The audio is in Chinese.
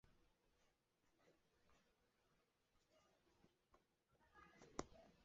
这亦是南华创会以来首次缺席香港顶级联赛赛事。